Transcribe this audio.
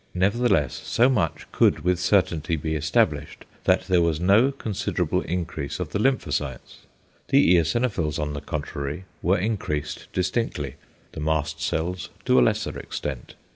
Nevertheless so much could with certainty be established that there was no considerable increase of the lymphocytes. The eosinophils on the contrary were increased distinctly, the mast cells to a lesser extent.